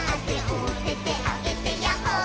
「おててあげてヤッホー」